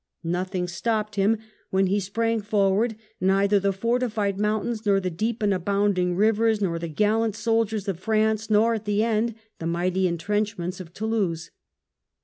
Nothing stopped him when he iprang forward, neither the fortified mountains, nor the (loop and abounding rivers, nor the gallant soldiers of France, nor, at the end, the mighty entrenchments of Toulouse.